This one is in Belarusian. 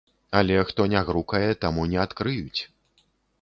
Але хто не грукае, таму не адкрыюць.